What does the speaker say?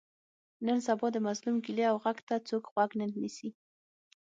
نن سبا د مظلوم ګیلې او غږ ته څوک غوږ نه نیسي.